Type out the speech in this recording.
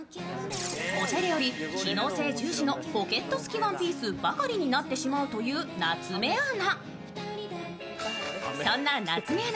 おしゃれより機能性重視のポケット付きワンピースばかりになってしまうという夏目アナ。